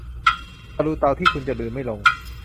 ตะรุเตาที่คุณจะลืมไม่ลง